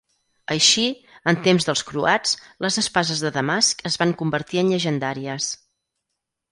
Així, en temps dels croats, les espases de Damasc es van convertir en llegendàries.